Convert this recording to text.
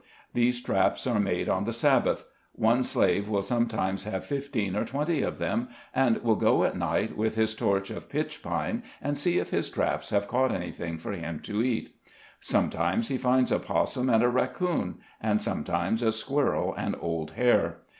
These traps are made on the Sabbath. One slave will sometimes have fifteen or twenty of them, and will go at night, with his torch of pitch pine, and see if his traps have caught anything for him to eat. Sometimes he finds a possum and a raccoon ; and sometimes a squirrel and old hare.